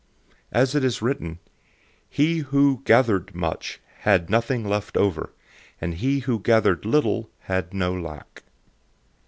008:015 As it is written, "He who gathered much had nothing left over, and he who gathered little had no lack."